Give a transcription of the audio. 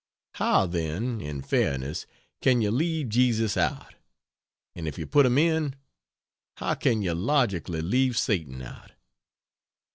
How then, in fairness, can you leave Jesus out? And if you put him in, how can you logically leave Satan out?